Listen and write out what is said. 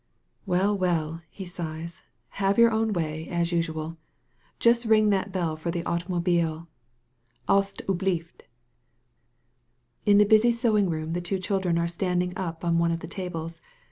"Well, well," he idghs, "have your own way as usual ! Just ring that bell for the automobile, al8% Vhlieft:* In the busy sewing room the two children are standing up on one of the tables.